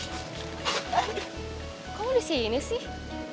kok lu di sini sih